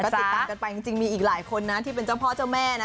ติดตามกันไปจริงมีอีกหลายคนนะที่เป็นเจ้าพ่อเจ้าแม่นะ